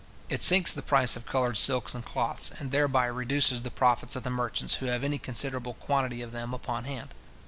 It sinks the price of coloured silks and cloths, and thereby reduces the profits of the merchants who have any considerable quantity of them upon hand.